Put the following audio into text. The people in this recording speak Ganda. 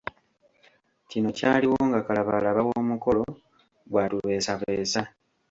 Kino kyaliwo nga kalabaalaba w'omukolo bwatubeesabeesa.